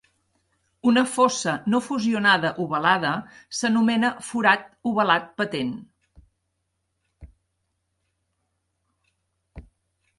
Una fossa no fusionada ovalada s'anomena "forat ovalat patent".